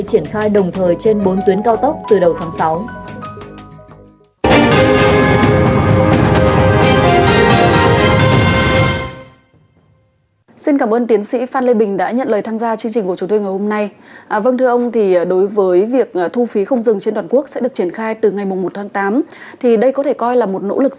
để triển khai đồng thời trên bốn tuyến cao tốc